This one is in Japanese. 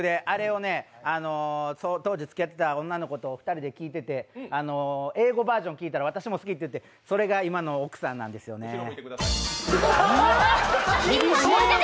あれをね、当時付き合ってた女の子と２人で聴いてて、英語バージョン聴いたら、私も好きって、それが今の奥さんなんですよね。